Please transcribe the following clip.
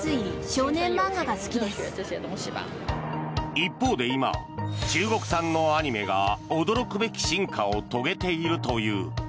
一方で今、中国産のアニメが驚くべき進化を遂げているという。